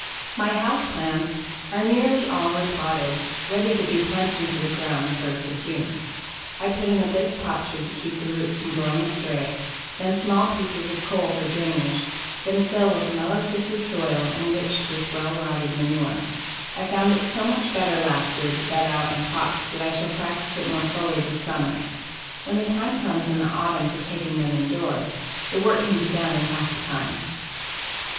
My house plants are nearly all re potted, ready to be plunged into the ground the first of June. I put in a bit of potsherd to keep the roots from going astray, then small pieces of coal for drainage, then fill with mellow sifted soil, enriched with well rotted manure. I found it so much better last year to bed out in pots that I shall practice it more fully this summer. When the time comes in the autumn for taking them in doors, the work can be done in half the time.